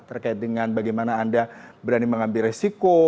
terkait dengan bagaimana anda berani mengambil resiko